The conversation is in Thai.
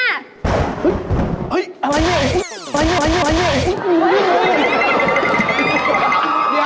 เอาไว้หน่อย